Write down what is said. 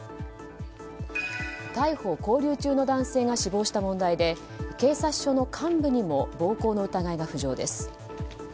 逮捕・勾留中の男性が死亡した問題で警察署の幹部にも暴行の疑いが浮上です。